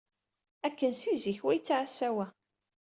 Akken si zik, wa yettɛassa wa.